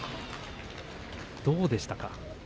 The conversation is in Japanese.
どうでしたか？